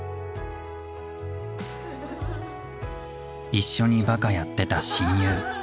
一緒にバカやってた親友。